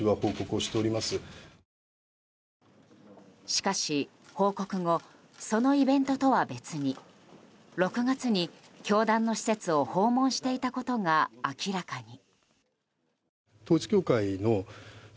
しかし報告後、そのイベントとは別に６月に、教団の施設を訪問していたことが明らかに。